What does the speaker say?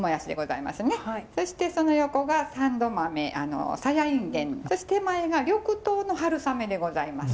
そしてその横が三度豆あのさやいんげんそして手前が緑豆の春雨でございます。